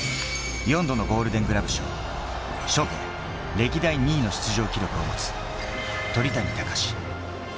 ４度のゴールデングラブ賞、ショートで歴代２位の出場記録を持つ鳥谷敬。